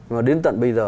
mà đến tận bây giờ